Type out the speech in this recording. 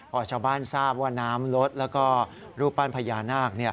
พอชาวบ้านทราบว่าน้ำลดแล้วก็รูปปั้นพญานาค